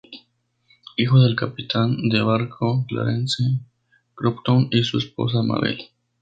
Hijo del capitán de barco Clarence Crompton y su esposa Mabel.